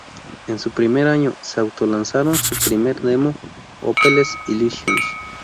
En su primer año, se auto-lanzaron su primer demo, "Hopeless Illusions".